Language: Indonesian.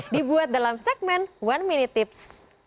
dibuat dalam segmen one minute tips